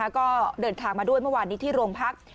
ก็เดินทางมาด้วยเมื่อวานนี้ที่โรงพัก